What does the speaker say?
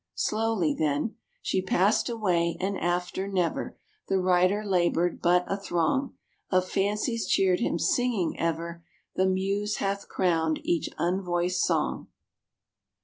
Slowly then, She passed away; and after, never The writer labored, but a throng Of fancies cheered him, singing ever: "The Muse hath crowned each unvoiced song."